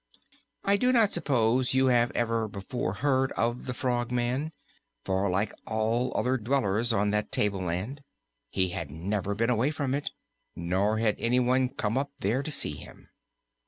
I do not suppose you have ever before heard of the Frogman, for like all other dwellers on that tableland, he had never been away from it, nor had anyone come up there to see him.